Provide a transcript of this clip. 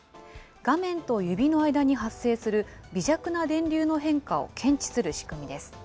画面と指の間に発生する微弱な電流の変化を検知する仕組みです。